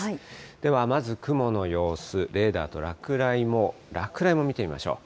ではまず雲の様子、レーダーと落雷、落雷も見てみましょう。